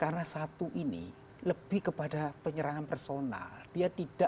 karena apa karena satu ini lebih kepada penyerangan menurut saya karena satu ini lebih kepada penyerangan